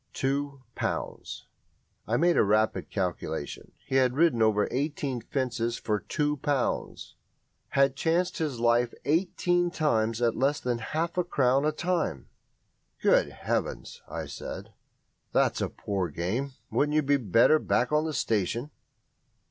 "Two pounds!" I made a rapid calculation. He had ridden over eighteen fences for two pounds had chanced his life eighteen times at less than half a crown a time. "Good Heavens!" I said, "that's a poor game. Wouldn't you be better back on the station?"